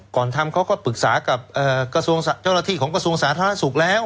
ก่อนทำเขาก็ปรึกษากับกระทรวงเจ้าหน้าที่ของกระทรวงสาธารณสุขแล้ว